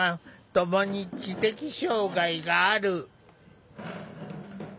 共に知的障害がある。